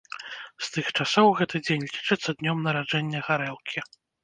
З тых часоў гэты дзень лічыцца днём нараджэння гарэлкі.